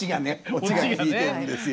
オチがついてるんですよ。